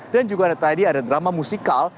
dan juga tadi ada drama musikal